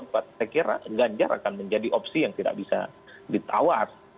saya kira ganjar akan menjadi opsi yang tidak bisa ditawar